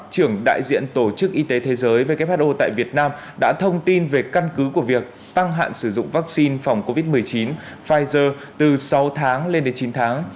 trưởng đại diện tổ chức y tế thế giới who tại việt nam đã thông tin về căn cứ của việc tăng hạn sử dụng vaccine phòng covid một mươi chín pfizer từ sáu tháng lên đến chín tháng